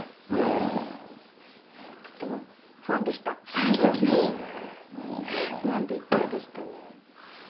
その時は不安でいっぱいでしたね。